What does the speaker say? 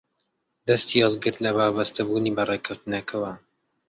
دەستی هەڵگرت لە وابەستەبوونی بە ڕێککەوتنەکەوە